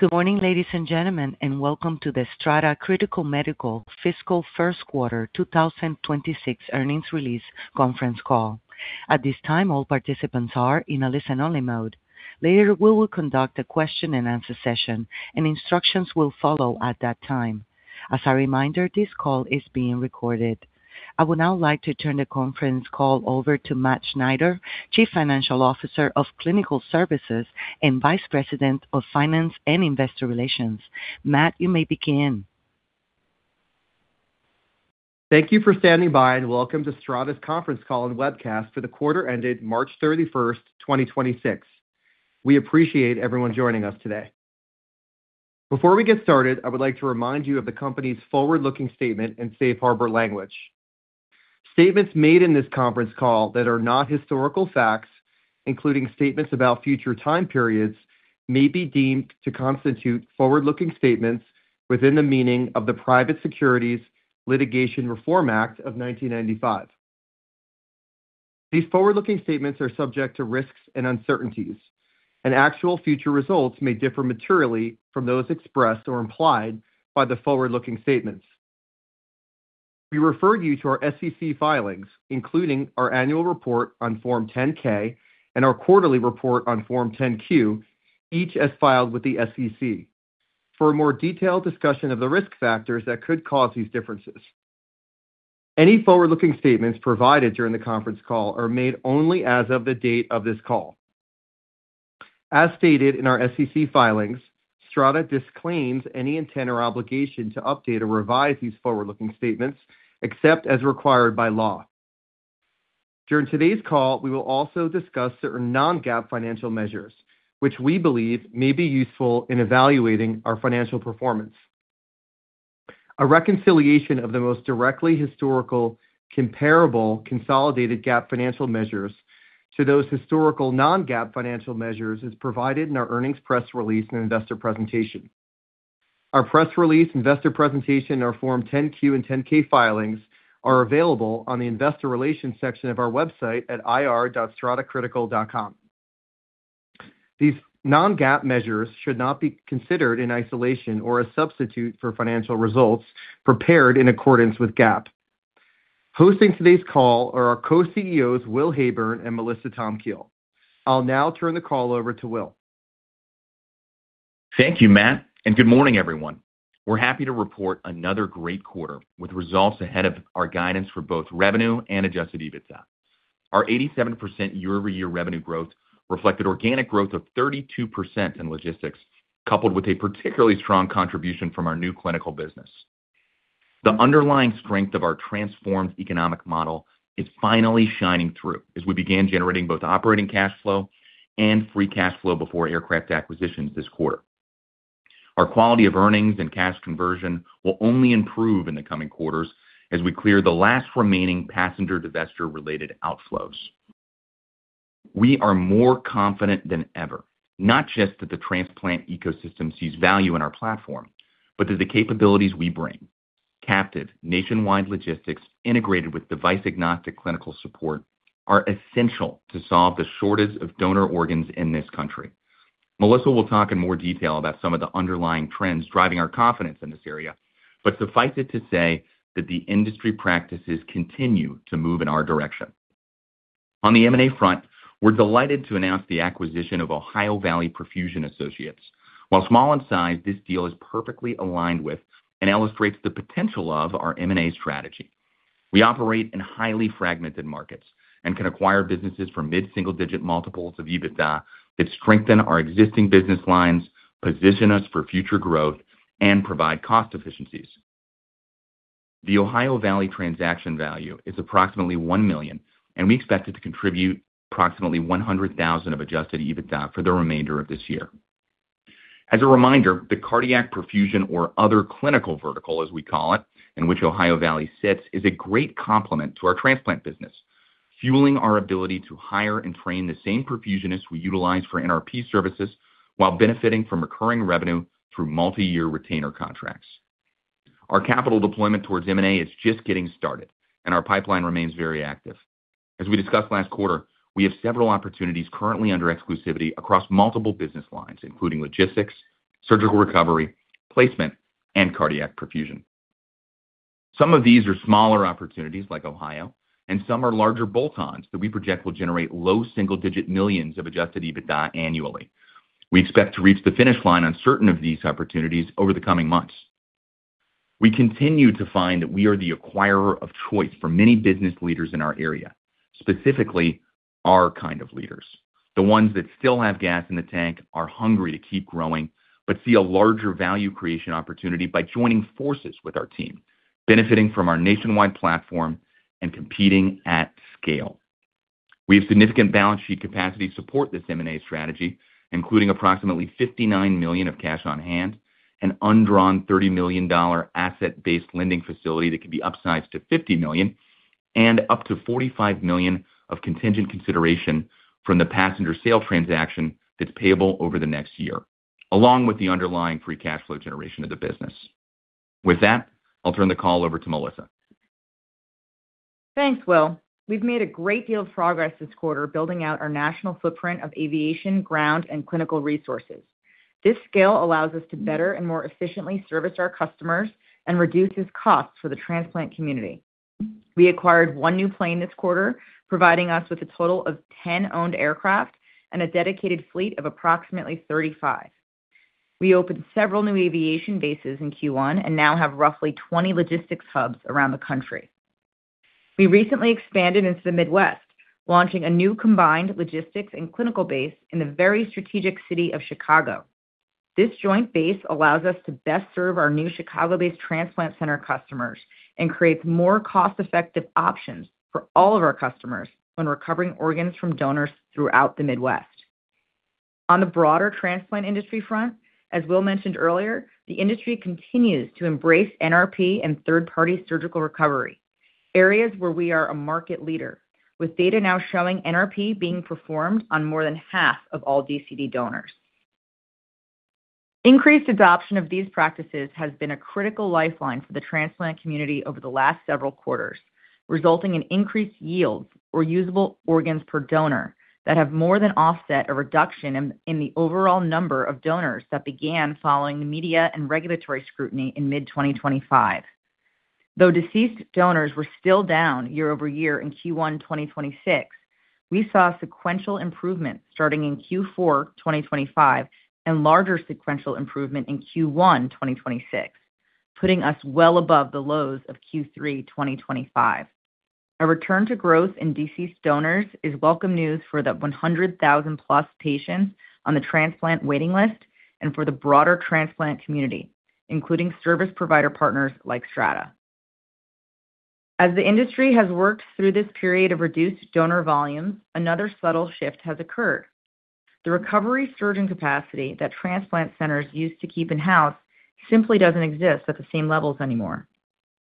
Good morning, ladies and gentlemen, and welcome to the Strata Critical Medical fiscal first quarter 2026 earnings release conference call. At this time, all participants are in a listen-only mode. Later, we will conduct a question-and-answer session, and instructions will follow at that time. As a reminder, this call is being recorded. I would now like to turn the conference call over to Matt Schneider, Chief Financial Officer of Clinical Services and Vice President of Finance and Investor Relations. Matt, you may begin. Thank you for standing by, and welcome to Strata's conference call and webcast for the quarter ended March 31st, 2026. We appreciate everyone joining us today. Before we get started, I would like to remind you of the company's forward-looking statement and safe harbor language. Statements made in this conference call that are not historical facts, including statements about future time periods, may be deemed to constitute forward-looking statements within the meaning of the Private Securities Litigation Reform Act of 1995. These forward-looking statements are subject to risks and uncertainties, and actual future results may differ materially from those expressed or implied by the forward-looking statements. We refer you to our SEC filings, including our annual report on Form 10-K and our quarterly report on Form 10-Q, each as filed with the SEC, for a more detailed discussion of the risk factors that could cause these differences. Any forward-looking statements provided during the conference call are made only as of the date of this call. As stated in our SEC filings, Strata disclaims any intent or obligation to update or revise these forward-looking statements, except as required by law. During today's call, we will also discuss certain non-GAAP financial measures, which we believe may be useful in evaluating our financial performance. A reconciliation of the most directly historical comparable consolidated GAAP financial measures to those historical non-GAAP financial measures is provided in our earnings press release and investor presentation. Our press release, investor presentation, and our Form 10-Q and 10-K filings are available on the Investor Relations section of our website at ir.stratacritical.com. These non-GAAP measures should not be considered in isolation or a substitute for financial results prepared in accordance with GAAP. Hosting today's call are our Co-CEOs, Will Heyburn and Melissa Tomkiel. I'll now turn the call over to Will. Thank you, Matt, good morning, everyone. We're happy to report another great quarter with results ahead of our guidance for both revenue and adjusted EBITDA. Our 87% year-over-year revenue growth reflected organic growth of 32% in logistics, coupled with a particularly strong contribution from our new clinical business. The underlying strength of our transformed economic model is finally shining through as we began generating both operating cash flow and free cash flow before aircraft acquisitions this quarter. Our quality of earnings and cash conversion will only improve in the coming quarters as we clear the last remaining passenger divestiture-related outflows. We are more confident than ever, not just that the transplant ecosystem sees value in our platform, but that the capabilities we bring, captive nationwide logistics integrated with device-agnostic clinical support, are essential to solve the shortage of donor organs in this country. Melissa will talk in more detail about some of the underlying trends driving our confidence in this area, but suffice it to say that the industry practices continue to move in our direction. On the M&A front, we're delighted to announce the acquisition of Ohio Valley Perfusion Associates. While small in size, this deal is perfectly aligned with and illustrates the potential of our M&A strategy. We operate in highly fragmented markets and can acquire businesses for mid-single-digit multiples of EBITDA that strengthen our existing business lines, position us for future growth, and provide cost efficiencies. The Ohio Valley transaction value is approximately $1 million, and we expect it to contribute approximately $100,000 of adjusted EBITDA for the remainder of this year. As a reminder, the cardiac perfusion or other clinical vertical, as we call it, in which Ohio Valley sits, is a great complement to our transplant business, fueling our ability to hire and train the same perfusionists we utilize for NRP services while benefiting from recurring revenue through multi-year retainer contracts. Our capital deployment towards M&A is just getting started, and our pipeline remains very active. As we discussed last quarter, we have several opportunities currently under exclusivity across multiple business lines, including logistics, surgical recovery, placement, and cardiac perfusion. Some of these are smaller opportunities like Ohio, and some are larger bolt-ons that we project will generate low-single-digit millions of adjusted EBITDA annually. We expect to reach the finish line on certain of these opportunities over the coming months. We continue to find that we are the acquirer of choice for many business leaders in our area, specifically our kind of leaders, the ones that still have gas in the tank, are hungry to keep growing, but see a larger value creation opportunity by joining forces with our team, benefiting from our nationwide platform and competing at scale. We have significant balance sheet capacity to support this M&A strategy, including approximately $59 million of cash on hand, an undrawn $30 million asset-based lending facility that can be upsized to $50 million, and up to $45 million of contingent consideration from the passenger sale transaction that's payable over the next year, along with the underlying free cash flow generation of the business. With that, I'll turn the call over to Melissa. Thanks, Will. We've made a great deal of progress this quarter building out our national footprint of aviation, ground, and clinical resources. This scale allows us to better and more efficiently service our customers and reduces costs for the transplant community. We acquired one new plane this quarter, providing us with a total of 10 owned aircraft and a dedicated fleet of approximately 35. We opened several new aviation bases in Q1 and now have roughly 20 logistics hubs around the country. We recently expanded into the Midwest, launching a new combined logistics and clinical base in the very strategic city of Chicago. This joint base allows us to best serve our new Chicago-based transplant center customers and creates more cost-effective options for all of our customers when recovering organs from donors throughout the Midwest. On the broader transplant industry front, as Will mentioned earlier, the industry continues to embrace NRP and third-party surgical recovery, areas where we are a market leader, with data now showing NRP being performed on more than half of all DCD donors. Increased adoption of these practices has been a critical lifeline for the transplant community over the last several quarters, resulting in increased yields or usable organs per donor that have more than offset a reduction in the overall number of donors that began following the media and regulatory scrutiny in mid-2025. Though deceased donors were still down year-over-year in Q1 2026, we saw sequential improvement starting in Q4 2025 and larger sequential improvement in Q1 2026, putting us well above the lows of Q3 2025. A return to growth in deceased donors is welcome news for the 100,000+ patients on the transplant waiting list and for the broader transplant community, including service provider partners like Strata. As the industry has worked through this period of reduced donor volumes, another subtle shift has occurred. The recovery surgeon capacity that transplant centers used to keep in-house simply doesn't exist at the same levels anymore.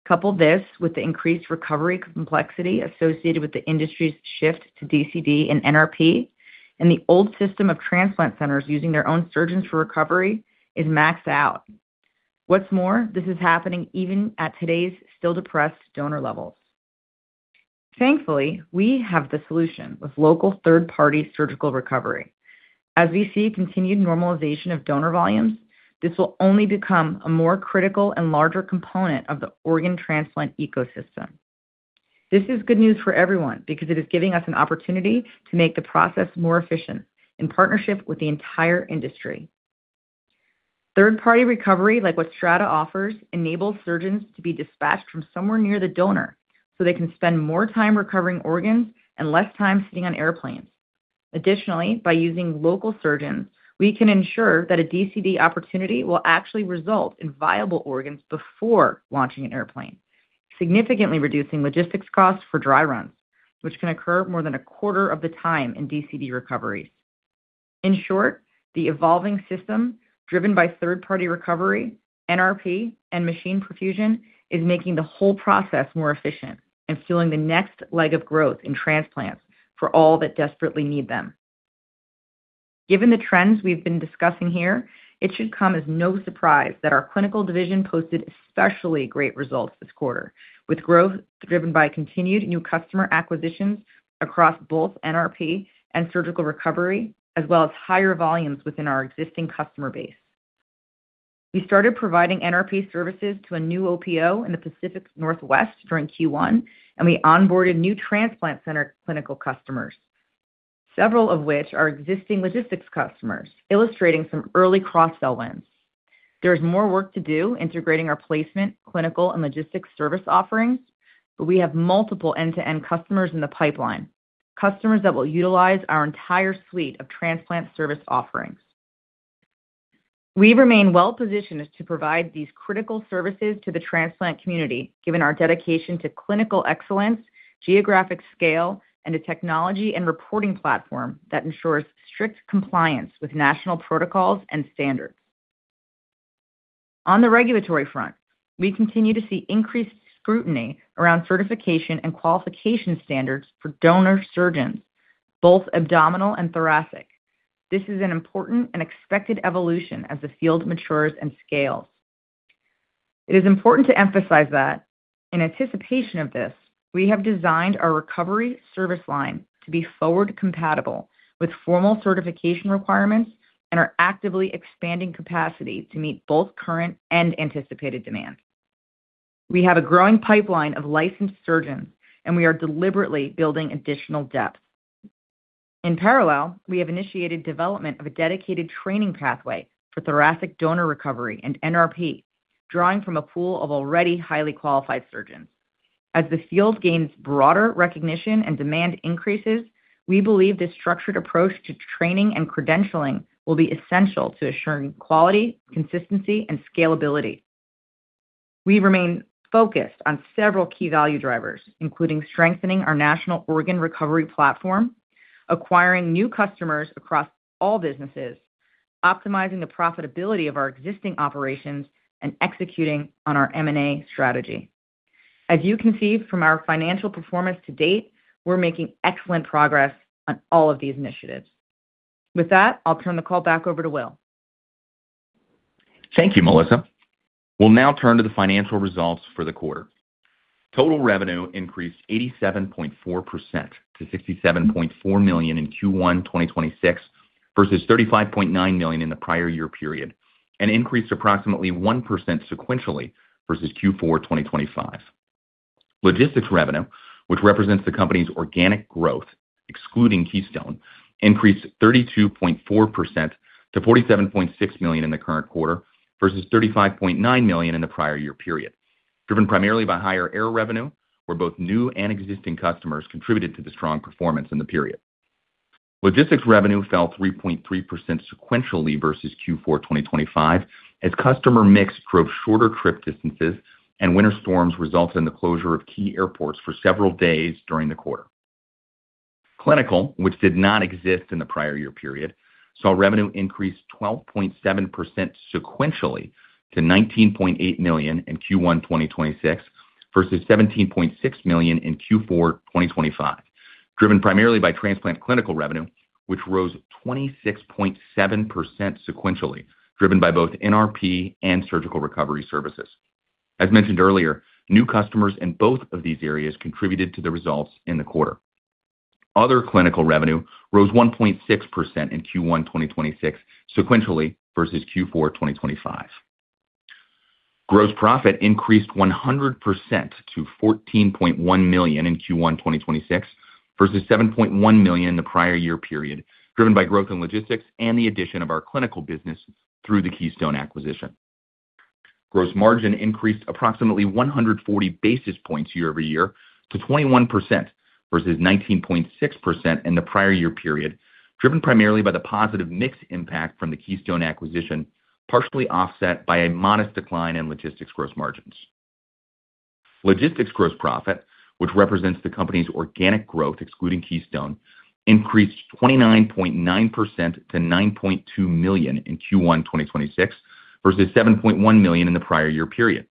Couple this with the increased recovery complexity associated with the industry's shift to DCD and NRP, and the old system of transplant centers using their own surgeons for recovery is maxed out. What's more, this is happening even at today's still depressed donor levels. Thankfully, we have the solution with local third-party surgical recovery. As we see continued normalization of donor volumes, this will only become a more critical and larger component of the organ transplant ecosystem. This is good news for everyone because it is giving us an opportunity to make the process more efficient in partnership with the entire industry. Third-party recovery, like what Strata offers, enables surgeons to be dispatched from somewhere near the donor so they can spend more time recovering organs and less time sitting on airplanes. By using local surgeons, we can ensure that a DCD opportunity will actually result in viable organs before launching an airplane, significantly reducing logistics costs for dry runs, which can occur more than a quarter of the time in DCD recoveries. The evolving system driven by third-party recovery, NRP, and machine perfusion is making the whole process more efficient and fueling the next leg of growth in transplants for all that desperately need them. Given the trends we've been discussing here, it should come as no surprise that our clinical division posted especially great results this quarter, with growth driven by continued new customer acquisitions across both NRP and surgical recovery, as well as higher volumes within our existing customer base. We started providing NRP services to a new OPO in the Pacific Northwest during Q1, and we onboarded new transplant center clinical customers, several of which are existing logistics customers, illustrating some early cross-sell wins. There is more work to do integrating our placement, clinical, and logistics service offerings, but we have multiple end-to-end customers in the pipeline, customers that will utilize our entire suite of transplant service offerings. We remain well-positioned to provide these critical services to the transplant community, given our dedication to clinical excellence, geographic scale, and a technology and reporting platform that ensures strict compliance with national protocols and standards. On the regulatory front, we continue to see increased scrutiny around certification and qualification standards for donor surgeons, both abdominal and thoracic. This is an important and expected evolution as the field matures and scales. It is important to emphasize that in anticipation of this, we have designed our recovery service line to be forward-compatible with formal certification requirements and are actively expanding capacity to meet both current and anticipated demand. We have a growing pipeline of licensed surgeons, and we are deliberately building additional depth. In parallel, we have initiated development of a dedicated training pathway for thoracic donor recovery and NRP, drawing from a pool of already highly qualified surgeons. As the field gains broader recognition and demand increases, we believe this structured approach to training and credentialing will be essential to ensuring quality, consistency, and scalability. We remain focused on several key value drivers, including strengthening our national organ recovery platform, acquiring new customers across all businesses, optimizing the profitability of our existing operations, and executing on our M&A strategy. As you can see from our financial performance to date, we're making excellent progress on all of these initiatives. With that, I'll turn the call back over to Will. Thank you, Melissa. We'll now turn to the financial results for the quarter. Total revenue increased 87.4% to $67.4 million in Q1 2026 versus $35.9 million in the prior year period and increased approximately 1% sequentially versus Q4 2025. Logistics revenue, which represents the company's organic growth excluding Keystone, increased 32.4% to $47.6 million in the current quarter versus $35.9 million in the prior year period, driven primarily by higher air revenue, where both new and existing customers contributed to the strong performance in the period. Logistics revenue fell 3.3% sequentially versus Q4 2025 as customer mix drove shorter trip distances and winter storms resulted in the closure of key airports for several days during the quarter. Clinical, which did not exist in the prior year period, saw revenue increase 12.7% sequentially to $19.8 million in Q1 2026 versus $17.6 million in Q4 2025, driven primarily by transplant clinical revenue, which rose 26.7% sequentially, driven by both NRP and surgical recovery services. As mentioned earlier, new customers in both of these areas contributed to the results in the quarter. Other clinical revenue rose 1.6% in Q1 2026 sequentially versus Q4 2025. Gross profit increased 100% to $14.1 million in Q1 2026 versus $7.1 million in the prior year period, driven by growth in logistics and the addition of our clinical business through the Keystone acquisition. Gross margin increased approximately 140 basis points year-over-year to 21% versus 19.6% in the prior year period, driven primarily by the positive mix impact from the Keystone acquisition, partially offset by a modest decline in logistics gross margins. Logistics gross profit, which represents the company's organic growth excluding Keystone, increased 29.9% to $9.2 million in Q1 2026 versus $7.1 million in the prior year period.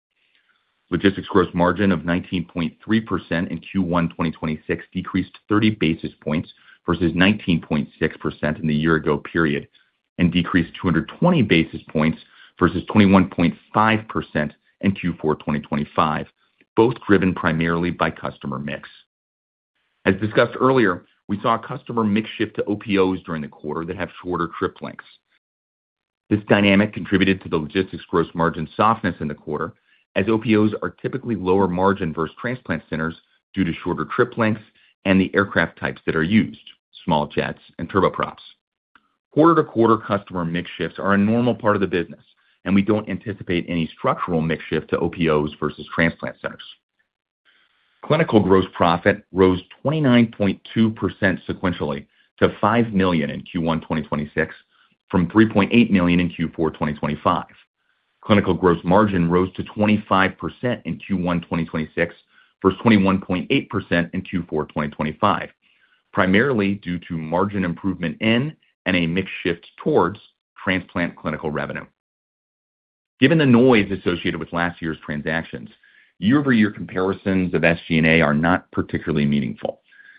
Logistics gross margin of 19.3% in Q1 2026 decreased 30 basis points versus 19.6% in the year ago period and decreased 220 basis points versus 21.5% in Q4 2025, both driven primarily by customer mix. As discussed earlier, we saw a customer mix shift to OPOs during the quarter that have shorter trip lengths. This dynamic contributed to the logistics gross margin softness in the quarter as OPOs are typically lower margin versus transplant centers due to shorter trip lengths and the aircraft types that are used, small jets and turboprops. Quarter-to-quarter customer mix shifts are a normal part of the business, and we don't anticipate any structural mix shift to OPOs versus transplant centers. Clinical gross profit rose 29.2% sequentially to $5 million in Q1 2026 from $3.8 million in Q4 2025. Clinical gross margin rose to 25% in Q1 2026 versus 21.8% in Q4 2025, primarily due to margin improvement in and a mix shift towards transplant clinical revenue. Given the noise associated with last year's transactions, year-over-year comparisons of SG&A are not particularly meaningful.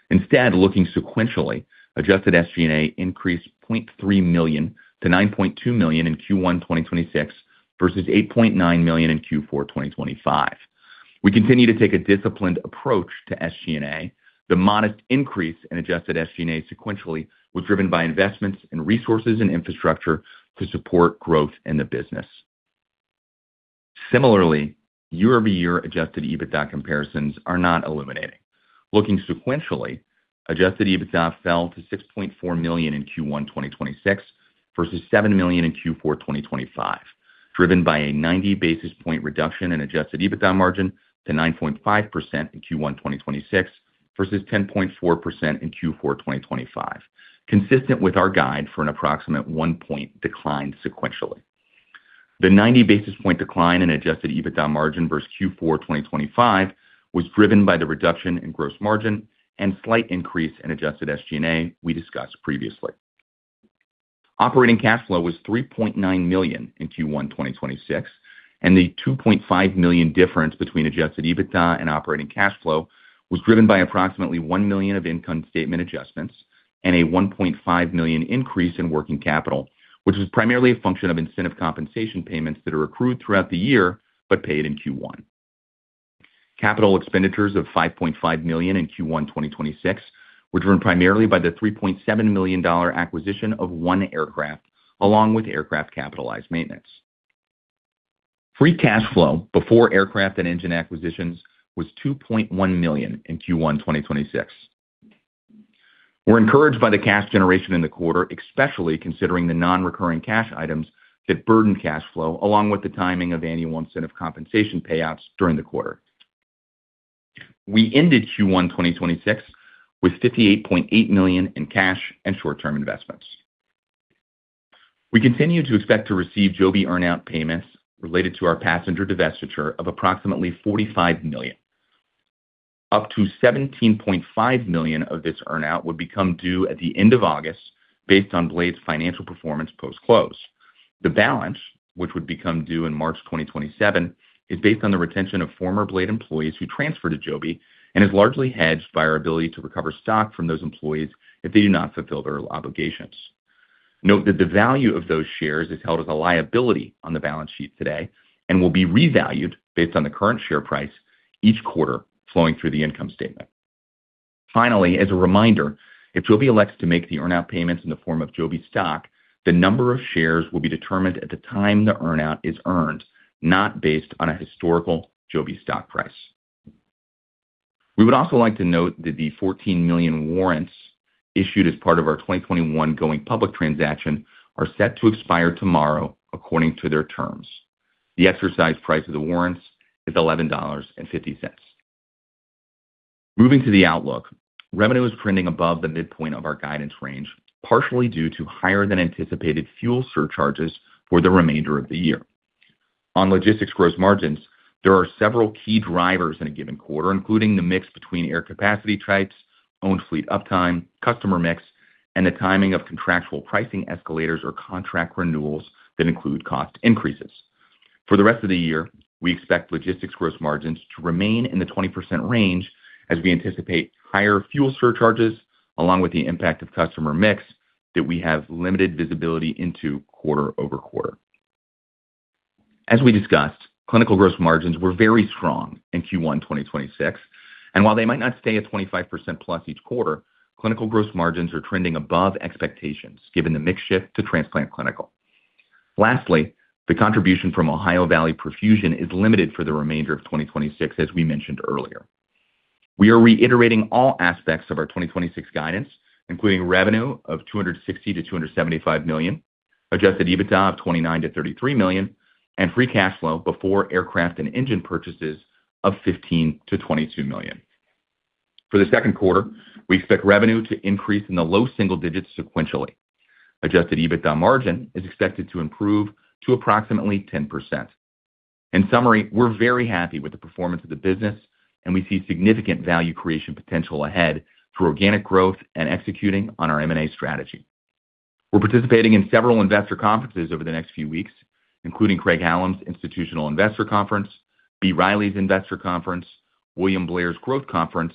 Instead, looking sequentially, adjusted SG&A increased $0.3 million to $9.2 million in Q1 2026 versus $8.9 million in Q4 2025. We continue to take a disciplined approach to SG&A. The modest increase in adjusted SG&A sequentially was driven by investments in resources and infrastructure to support growth in the business. Similarly, year-over-year adjusted EBITDA comparisons are not illuminating. Looking sequentially, adjusted EBITDA fell to $6.4 million in Q1 2026 versus $7 million in Q4 2025, driven by a 90 basis point reduction in adjusted EBITDA margin to 9.5% in Q1 2026 versus 10.4% in Q4 2025, consistent with our guide for an approximate one point decline sequentially. The 90 basis point decline in adjusted EBITDA margin versus Q4 2025 was driven by the reduction in gross margin and slight increase in adjusted SG&A we discussed previously. Operating cash flow was $3.9 million in Q1 2026, and the $2.5 million difference between adjusted EBITDA and operating cash flow was driven by approximately $1 million of income statement adjustments and a $1.5 million increase in working capital, which was primarily a function of incentive compensation payments that are accrued throughout the year but paid in Q1. Capital expenditures of $5.5 million in Q1 2026 were driven primarily by the $3.7 million dollar acquisition of one aircraft along with aircraft capitalized maintenance. Free cash flow before aircraft and engine acquisitions was $2.1 million in Q1 2026. We're encouraged by the cash generation in the quarter, especially considering the non-recurring cash items that burden cash flow along with the timing of annual incentive compensation payouts during the quarter. We ended Q1 2026 with $58.8 million in cash and short-term investments. We continue to expect to receive Joby earn-out payments related to our passenger divestiture of approximately $45 million. Up to $17.5 million of this earn-out would become due at the end of August based on Blade's financial performance post-close. The balance, which would become due in March 2027, is based on the retention of former Blade employees who transfer to Joby and is largely hedged by our ability to recover stock from those employees if they do not fulfill their obligations. Note that the value of those shares is held as a liability on the balance sheet today and will be revalued based on the current share price each quarter flowing through the income statement. Finally, as a reminder, if Joby elects to make the earn-out payments in the form of Joby stock, the number of shares will be determined at the time the earn-out is earned, not based on a historical Joby stock price. We would also like to note that the 14 million warrants issued as part of our 2021 going-public transaction are set to expire tomorrow according to their terms. The exercise price of the warrants is $11.50. Moving to the outlook, revenue is printing above the midpoint of our guidance range, partially due to higher than anticipated fuel surcharges for the remainder of the year. On logistics gross margins, there are several key drivers in a given quarter, including the mix between air capacity types, own fleet uptime, customer mix, and the timing of contractual pricing escalators or contract renewals that include cost increases. For the rest of the year, we expect logistics gross margins to remain in the 20% range as we anticipate higher fuel surcharges along with the impact of customer mix that we have limited visibility into quarter-over-quarter. As we discussed, clinical gross margins were very strong in Q1 2026, and while they might not stay at 25%+ each quarter, clinical gross margins are trending above expectations given the mix shift to transplant clinical. Lastly, the contribution from Ohio Valley Perfusion is limited for the remainder of 2026, as we mentioned earlier. We are reiterating all aspects of our 2026 guidance, including revenue of $260 million-$275 million, adjusted EBITDA of $29 million-$33 million, and free cash flow before aircraft and engine purchases of $15 million-$22 million. For the second quarter, we expect revenue to increase in the low single digits sequentially. Adjusted EBITDA margin is expected to improve to approximately 10%. In summary, we're very happy with the performance of the business and we see significant value creation potential ahead through organic growth and executing on our M&A strategy. We're participating in several investor conferences over the next few weeks, including Craig-Hallum's Institutional Investor Conference, B. Riley's Investor Conference, William Blair's Growth Conference,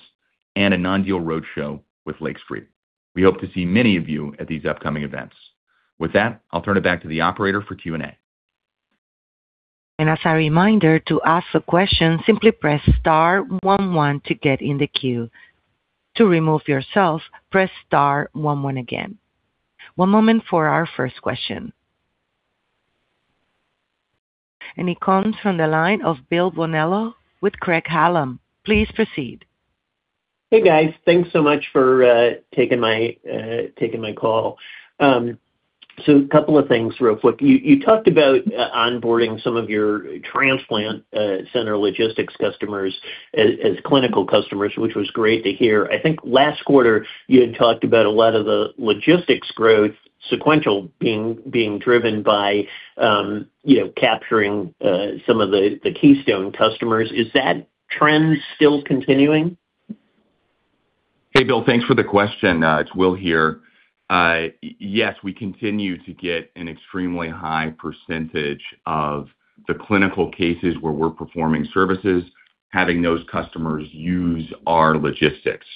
and a non-deal road show with Lake Street. We hope to see many of you at these upcoming events. With that, I'll turn it back to the operator for Q&A. As a reminder, to ask a question, simply press star one one to get in the queue. To remove yourself, press star one one again. One moment for our first question. It comes from the line of Bill Bonello with Craig-Hallum. Please proceed. Hey, guys. Thanks so much for taking my call. A couple of things real quick. You talked about onboarding some of your transplant center logistics customers as clinical customers, which was great to hear. I think last quarter you had talked about a lot of the logistics growth sequential being driven by, you know, capturing some of the Keystone customers. Is that trend still continuing? Hey, Bill. Thanks for the question. It's Will here. Yes, we continue to get an extremely high percentage of the clinical cases where we're performing services, having those customers use our logistics.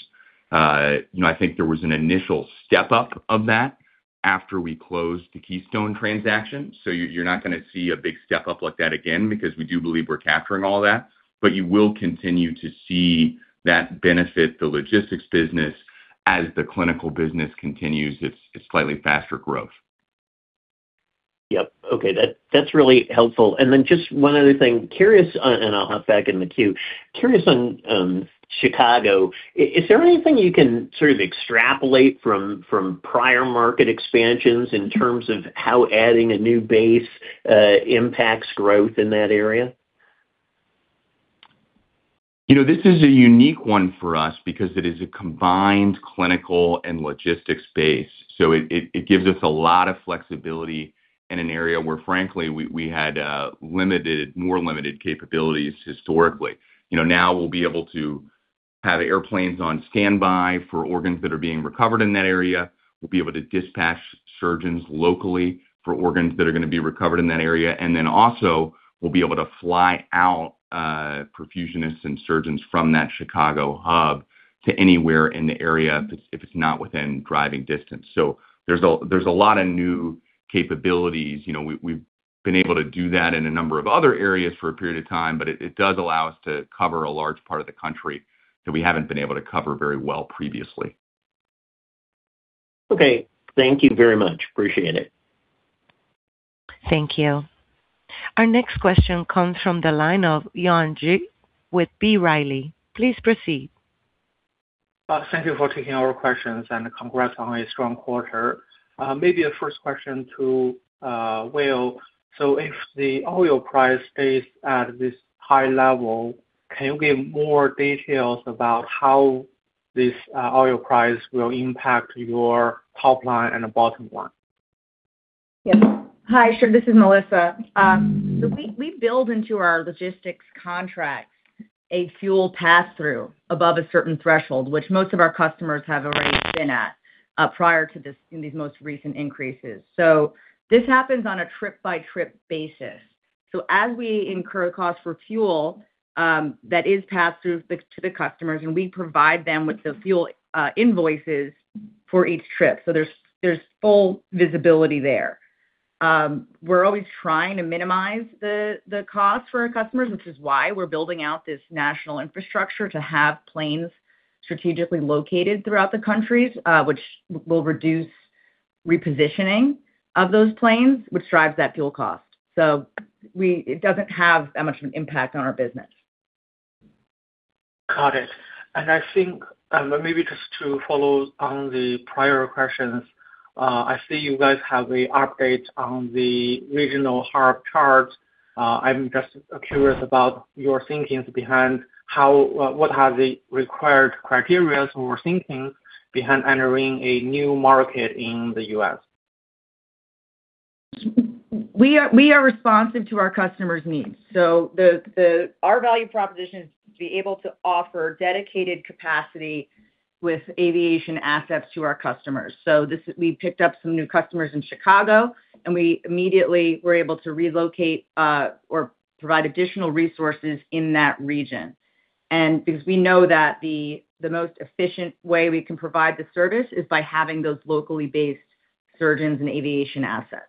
You know, I think there was an initial step-up of that after we closed the Keystone transaction. You're not gonna see a big step-up like that again because we do believe we're capturing all that, but you will continue to see that benefit the logistics business as the clinical business continues its slightly faster growth. Yep. Okay. That's really helpful. Just one other thing. I'll hop back in the queue. Curious on Chicago, is there anything you can sort of extrapolate from prior market expansions in terms of how adding a new base impacts growth in that area? You know, this is a unique one for us because it is a combined clinical and logistics base. It gives us a lot of flexibility in an area where, frankly, we had more limited capabilities historically. You know, now we'll be able to have airplanes on standby for organs that are being recovered in that area. We'll be able to dispatch surgeons locally for organs that are going to be recovered in that area. Also we'll be able to fly out perfusionists and surgeons from that Chicago hub to anywhere in the area if it's not within driving distance. There's a lot of new capabilities. You know, we've been able to do that in a number of other areas for a period of time, but it does allow us to cover a large part of the country that we haven't been able to cover very well previously. Okay. Thank you very much. Appreciate it. Thank you. Our next question comes from the line of Yuan Zhi with B. Riley. Please proceed. Thank you for taking our questions and congrats on a strong quarter. Maybe a first question to Will. If the oil price stays at this high level, can you give more details about how this oil price will impact your top line and bottom line? Yes. Hi, sure. This is Melissa. We build into our logistics contracts a fuel pass-through above a certain threshold, which most of our customers have already been at prior to these most recent increases. This happens on a trip-by-trip basis. As we incur cost for fuel, that is passed through to the customers, and we provide them with the fuel invoices for each trip. There's full visibility there. We're always trying to minimize the cost for our customers, which is why we're building out this national infrastructure to have planes strategically located throughout the countries, which will reduce repositioning of those planes, which drives that fuel cost. It doesn't have that much of an impact on our business. Got it. I think, maybe just to follow on the prior questions, I see you guys have a update on the regional hub chart. I'm just curious about your thinkings behind what are the required criterias or thinking behind entering a new market in the U.S.? We are responsive to our customers' needs. Our value proposition is to be able to offer dedicated capacity with aviation assets to our customers. We picked up some new customers in Chicago, and we immediately were able to relocate or provide additional resources in that region. Because we know that the most efficient way we can provide the service is by having those locally based surgeons and aviation assets.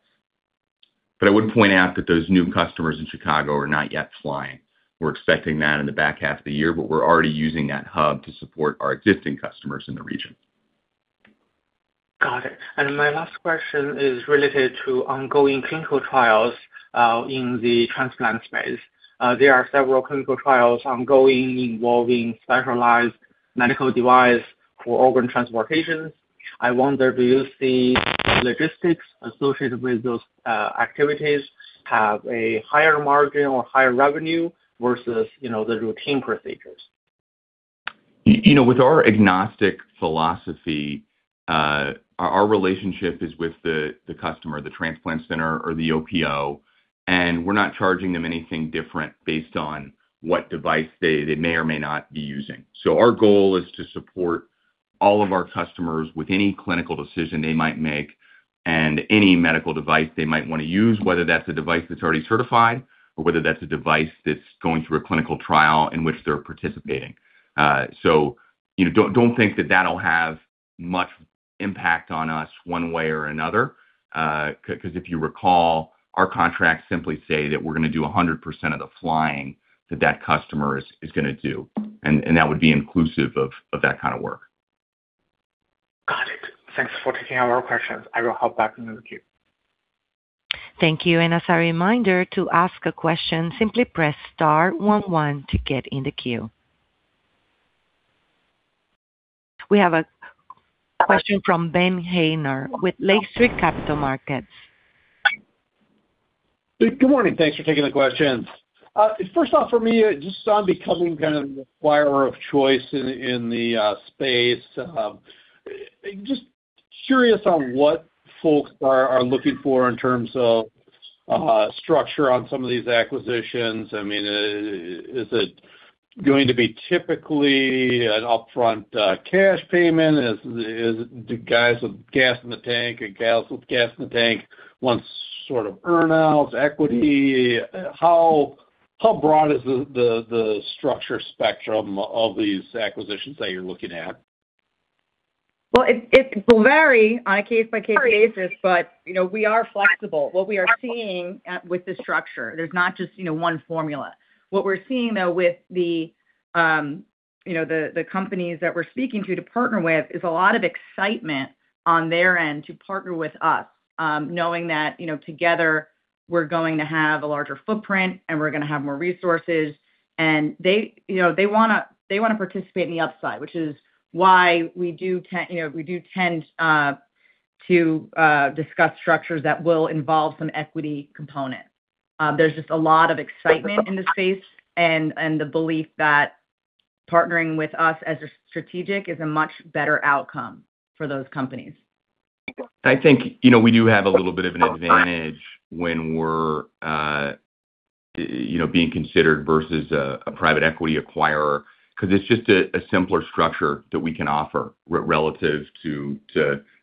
I would point out that those new customers in Chicago are not yet flying. We're expecting that in the back half of the year, but we're already using that hub to support our existing customers in the region. Got it. My last question is related to ongoing clinical trials in the transplant space. There are several clinical trials ongoing involving specialized medical device for organ transportation. I wonder, do you see logistics associated with those activities have a higher margin or higher revenue versus, you know, the routine procedures? You know, with our agnostic philosophy, our relationship is with the customer, the transplant center or the OPO, we're not charging them anything different based on what device they may or may not be using. Our goal is to support all of our customers with any clinical decision they might make and any medical device they might wanna use, whether that's a device that's already certified or whether that's a device that's going through a clinical trial in which they're participating. You know, don't think that that'll have much impact on us one way or another, because if you recall, our contracts simply say that we're gonna do 100% of the flying that that customer is gonna do, and that would be inclusive of that kind of work. Got it. Thanks for taking all our questions. I will hop back into the queue. Thank you. As a reminder, to ask a question, simply press star one one to get in the queue. We have a question from Ben Haynor with Lake Street Capital Markets. Good morning. Thanks for taking the questions. First off, for me, just on becoming kind of the acquirer of choice in the space, just curious on what folks are looking for in terms of structure on some of these acquisitions. I mean, is it going to be typically an upfront cash payment? Is it the guys with gas in the tank or gals with gas in the tank want sort of earn outs, equity? How broad is the structure spectrum of these acquisitions that you're looking at? Well, it will vary on a case-by-case basis, but, you know, we are flexible. What we are seeing, with the structure, there's not just, you know, one formula. What we're seeing, though, with the, you know, the companies that we're speaking to partner with, is a lot of excitement on their end to partner with us, knowing that, you know, together we're going to have a larger footprint, and we're gonna have more resources. They, you know, they wanna participate in the upside, which is why we do tend to discuss structures that will involve some equity component. There's just a lot of excitement in the space and the belief that partnering with us as a strategic is a much better outcome for those companies. I think, you know, we do have a little bit of an advantage when we're, you know, being considered versus a private equity acquirer because it's just a simpler structure that we can offer relative to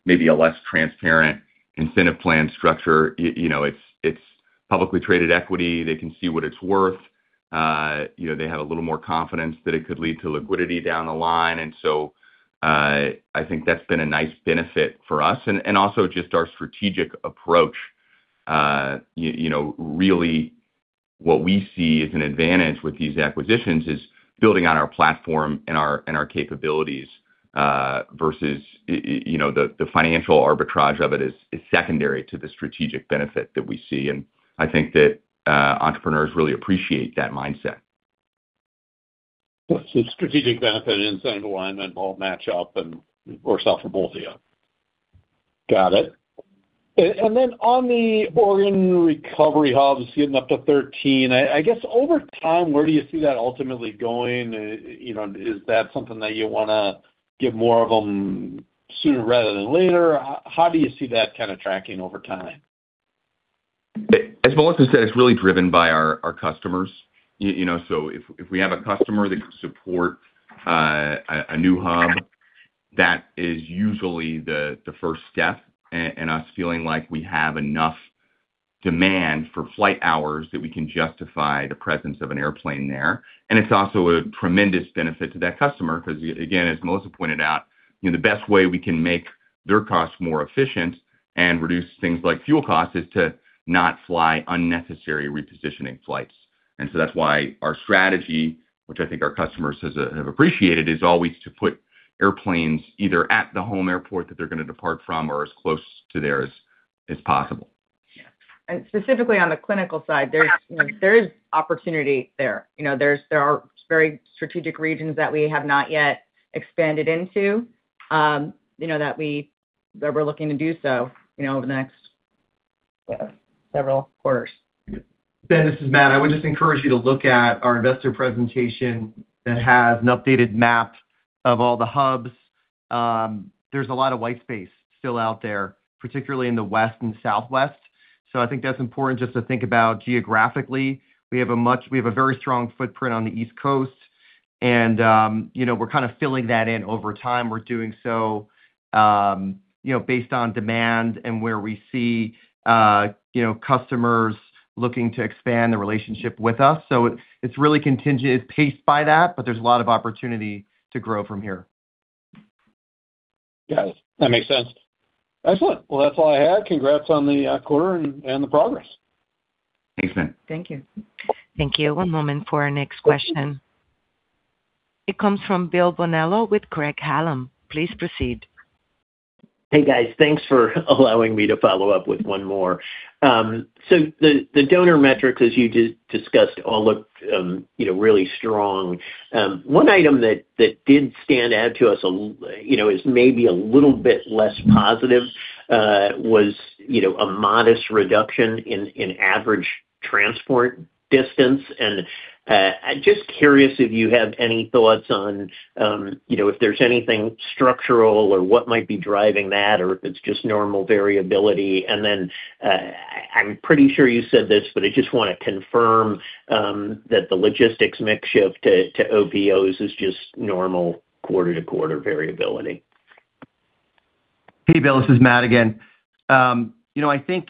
maybe a less transparent incentive plan structure. You know, it's publicly traded equity. They can see what it's worth. You know, they have a little more confidence that it could lead to liquidity down the line. I think that's been a nice benefit for us and also just our strategic approach. You know, really what we see as an advantage with these acquisitions is building on our platform and our capabilities versus, you know, the financial arbitrage of it is secondary to the strategic benefit that we see. I think that entrepreneurs really appreciate that mindset. Strategic benefit in saying alignment will match up and/or thoughts from both of you. Got it. Then on the organ recovery hubs getting up to 13, I guess over time, where do you see that ultimately going? You know, is that something that you wanna get more of them sooner rather than later? How do you see that kind of tracking over time? As Melissa said, it's really driven by our customers. You know, if we have a customer that can support a new hub, that is usually the first step in us feeling like we have enough demand for flight hours that we can justify the presence of an airplane there. It's also a tremendous benefit to that customer because again, as Melissa pointed out, you know, the best way we can make their costs more efficient and reduce things like fuel costs is to not fly unnecessary repositioning flights. That's why our strategy, which I think our customers has have appreciated, is always to put airplanes either at the home airport that they're going to depart from or as close to there as possible. Yeah. Specifically on the clinical side, there's, you know, there is opportunity there. You know, there are very strategic regions that we have not yet expanded into, you know, that we're looking to do so, you know, over the next, yeah, several quarters. Ben, this is Matt. I would just encourage you to look at our investor presentation that has an updated map of all the hubs. There's a lot of white space still out there, particularly in the West and Southwest. I think that's important just to think about geographically. We have a very strong footprint on the East Coast and you know, we're kind of filling that in over time. We're doing so, you know, based on demand and where we see, you know, customers looking to expand their relationship with us. It, it's really contingent. It's paced by that, but there's a lot of opportunity to grow from here. Yes, that makes sense. Excellent. Well, that's all I had. Congrats on the quarter and the progress. Thanks, Ben. Thank you. Thank you. One moment for our next question. It comes from Bill Bonello with Craig-Hallum. Please proceed. Hey, guys. Thanks for allowing me to follow up with one more. The donor metrics, as you discussed, all look, you know, really strong. One item that didn't stand out to us, you know, as maybe a little bit less positive, was, you know, a modest reduction in average transport distance. Just curious if you have any thoughts on, you know, if there's anything structural or what might be driving that or if it's just normal variability. I'm pretty sure you said this, but I just wanna confirm that the logistics mix shift to OPOs is just normal quarter-to-quarter variability. Hey, Bill, this is Matt again. You know, I think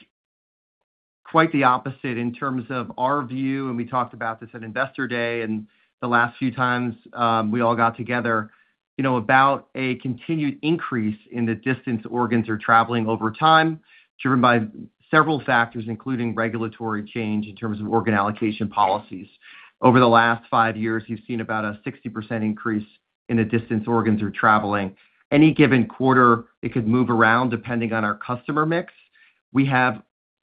quite the opposite in terms of our view, and we talked about this at Investor Day and the last few times, we all got together, you know, about a continued increase in the distance organs are traveling over time, driven by several factors, including regulatory change in terms of organ allocation policies. Over the last five years, you've seen about a 60% increase in the distance organs are traveling. Any given quarter, it could move around depending on our customer mix.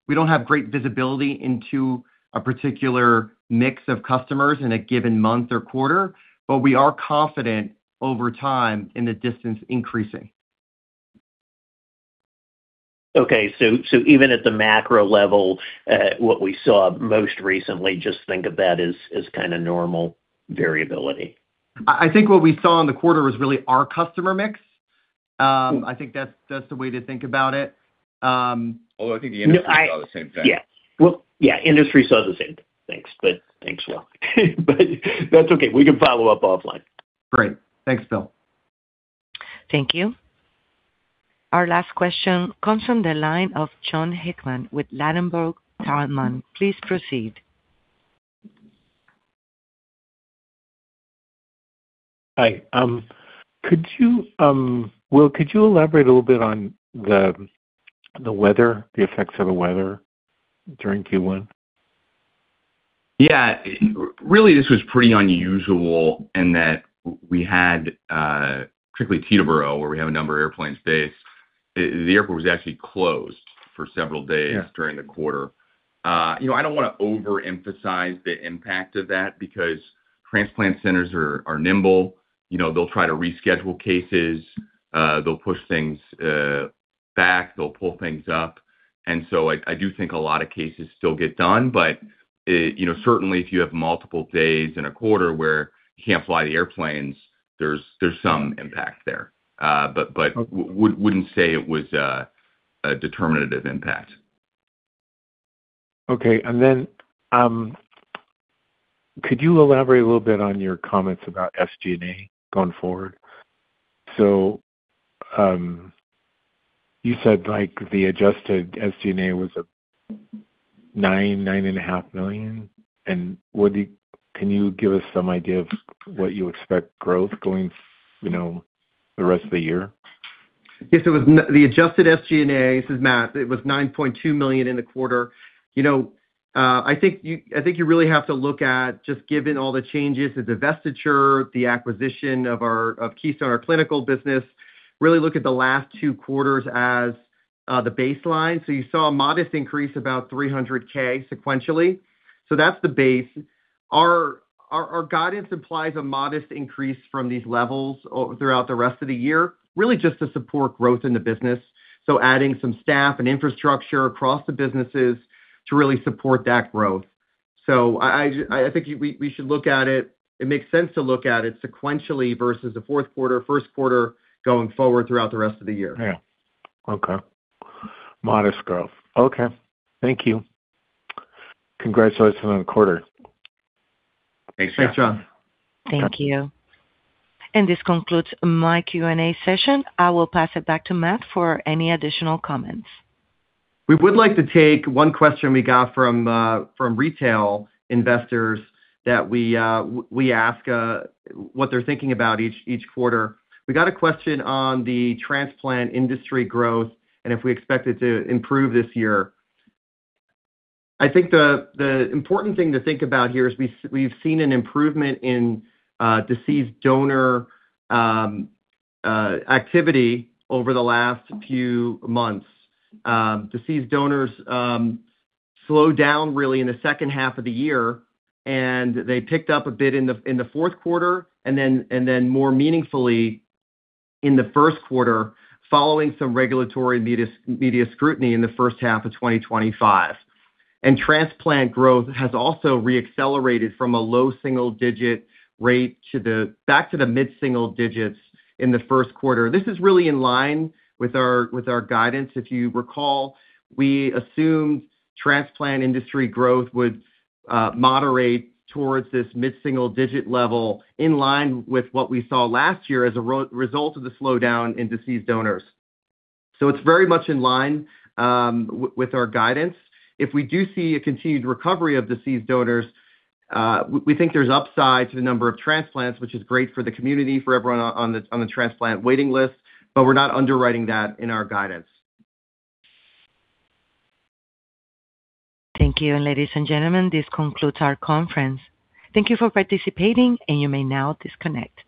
We don't have great visibility into a particular mix of customers in a given month or quarter, but we are confident over time in the distance increasing. Okay. So even at the macro level, what we saw most recently, just think of that as kinda normal variability. I think what we saw in the quarter was really our customer mix. I think that's the way to think about it. Although I think the industry saw the same thing. Well, yeah, industry saw the same thing. Thanks, but thanks, Will. That's okay. We can follow up offline. Great. Thanks, Bill. Thank you. Our last question comes from the line of Jon Hickman with Ladenburg Thalmann. Please proceed. Hi. Could you, Will, could you elaborate a little bit on the weather, the effects of the weather during Q1? Yeah. Really, this was pretty unusual in that we had particularly Teterboro, where we have a number of airplanes based, the airport was actually closed for several days- Yeah. During the quarter. You know, I don't wanna overemphasize the impact of that because transplant centers are nimble. You know, they'll try to reschedule cases. They'll push things back. They'll pull things up. I do think a lot of cases still get done. You know, certainly if you have multiple days in a quarter where you can't fly the airplanes, there's some impact there. Okay. But wouldn't say it was a determinative impact. Okay. Could you elaborate a little bit on your comments about SG&A going forward? You said, like, the adjusted SG&A was $9 million, $9.5 million. Can you give us some idea of what you expect growth going, you know, the rest of the year? Yes. The adjusted SG&A, this is Matt, it was $9.2 million in the quarter. You know, I think you really have to look at just given all the changes, the divestiture, the acquisition of Keystone, our clinical business, really look at the last two quarters as the baseline. You saw a modest increase, about $300,000 sequentially. That's the base. Our guidance implies a modest increase from these levels throughout the rest of the year, really just to support growth in the business, so adding some staff and infrastructure across the businesses to really support that growth. I think you, we should look at it. It makes sense to look at it sequentially versus the fourth quarter, first quarter going forward throughout the rest of the year. Yeah. Okay. Modest growth. Okay. Thank you. Congratulations on the quarter. Thanks, Jon. Thank you. This concludes my Q&A session. I will pass it back to Matt for any additional comments. We would like to take one question we got from retail investors that we ask what they're thinking about each quarter. We got a question on the transplant industry growth and if we expect it to improve this year. I think the important thing to think about here is we've seen an improvement in deceased donor activity over the last few months. Deceased donors slowed down really in the second half of the year, they picked up a bit in the fourth quarter more meaningfully in the first quarter, following some regulatory media scrutiny in the first half of 2025. Transplant growth has also re-accelerated from a low-single-digit rate to the mid-single-digits in the first quarter. This is really in line with our guidance. If you recall, we assumed transplant industry growth would moderate towards this mid-single-digit level, in line with what we saw last year as a result of the slowdown in deceased donors. It's very much in line with our guidance. If we do see a continued recovery of deceased donors, we think there's upside to the number of transplants, which is great for the community, for everyone on the transplant waiting list, but we're not underwriting that in our guidance. Thank you. Ladies and gentlemen, this concludes our conference. Thank you for participating and you may now disconnect.